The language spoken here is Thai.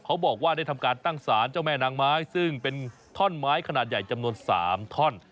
เขาบอกว่าได้ทำการตั้งสารเจ้าแม่นางไม้ซึ่งเป็นท่อนไม้ขนาดใหญ่จำนวน๓ท่อน